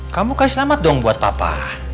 kamu kasih selamat dong buat papa